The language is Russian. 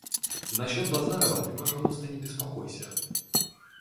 Насчет Базарова ты, пожалуйста, не беспокойся.